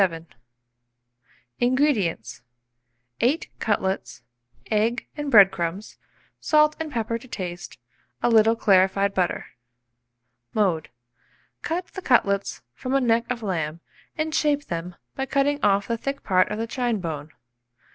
INGREDIENTS. 8 cutlets, egg and bread crumbs, salt and pepper to taste, a little clarified butter. Mode. Cut the cutlets from a neck of lamb, and shape them by cutting off the thick part of the chine bone.